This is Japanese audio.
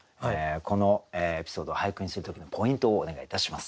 このエピソードを俳句にする時のポイントをお願いいたします。